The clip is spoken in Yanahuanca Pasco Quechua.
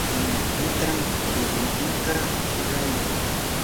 rumipitam piruruta rurayan.